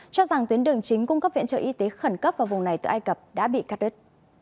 cho rằng tuyến đường chính cung cấp viện trợ y tế khẩn cấp vào vùng này từ ai cập đã bị cắt đứt